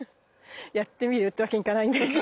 やってみる？ってわけにいかないんだけど。